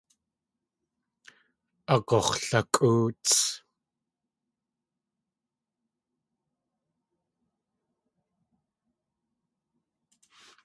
Agux̲lakʼóots.